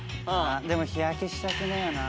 でも日焼けしたくねえよな。